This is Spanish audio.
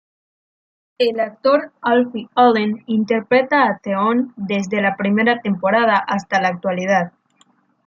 El actor Alfie Allen interpreta a Theon desde la primera temporada hasta la actualidad.